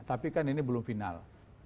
tapi kan ini belum final